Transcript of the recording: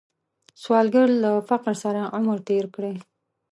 سوالګر له فقر سره عمر تیر کړی